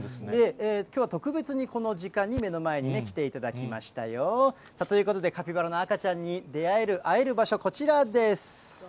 きょうは特別にこの時間に目の前に来ていただきましたよ。ということで、カピバラの赤ちゃんに、出会える、会える場所、こちらです。